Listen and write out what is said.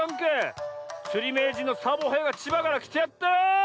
つりめいじんのサボへいがちばからきてやった。